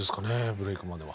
ブレイクまでは。